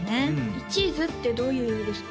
一途ってどういう意味ですか？